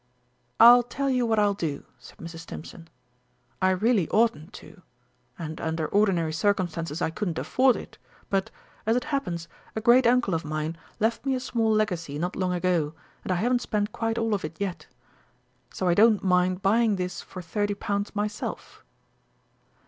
"I'll tell you what I'll do," said Mrs. Stimpson. "I really oughtn't to and under ordinary circumstances I couldn't afford it, but, as it happens, a great uncle of mine left me a small legacy not long ago, and I haven't spent quite all of it yet. So I don't mind buying this for thirty pounds myself."